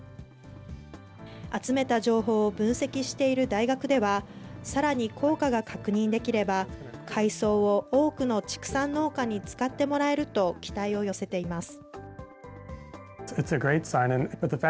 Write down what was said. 集めた情報を分析している大学では、さらに効果が確認できれば、海藻を多くの畜産農家に使ってもらえると期待を寄せています。